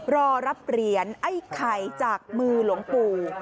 รอรับเหรียญไอ้ไข่จากมือหลวงปู่